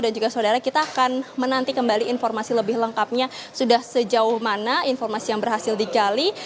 dan juga saudara kita akan menanti kembali informasi lebih lengkapnya sudah sejauh mana informasi yang berhasil digali